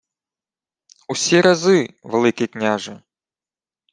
— Усі рази, Великий княже.